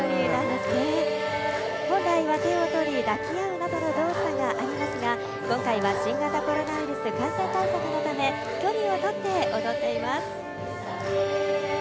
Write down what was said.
本来は手を取り、抱き合うなどの動作がありますが、今回は新型コロナウイルス感染対策のため、距離を取って踊っています。